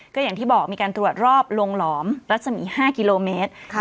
ก็อย่างที่บอกในการตรวจรอบโรงหลอมแล้วจะมีห้ากิโลเมตรค่ะ